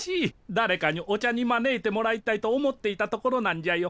だれかにお茶に招いてもらいたいと思っていたところなんじゃよ。